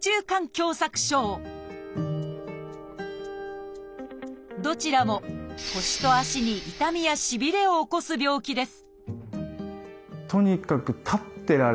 今回はどちらも腰と足に痛みやしびれを起こす病気です